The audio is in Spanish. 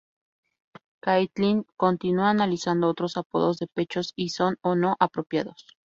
Caitlin continúa analizando otros apodos de pechos y si son o no apropiados.